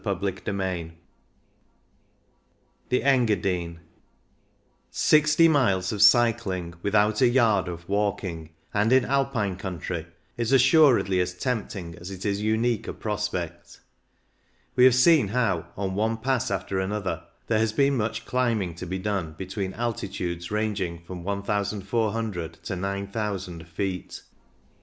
CHAPTER XIII THE ENGADINE Sixty miles of cycling without a yard of walking, and in Alpine country, is assur edly as tempting as it is unique a prospect We have seen how, on one pass after another, there has been much climbing to be done between altitudes ranging from 1,400 to 9,000 feet.